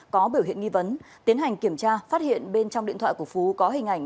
có biểu hiện nghi vấn tiến hành kiểm tra phát hiện bên trong điện thoại của phú có hình ảnh